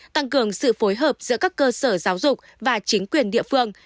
tăng cường sự phối hợp giữa các cơ sở giáo dục và chính quyền địa phương